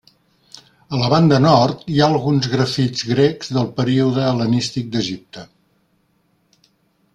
A la banda nord hi ha alguns grafits grecs del període hel·lenístic d'Egipte.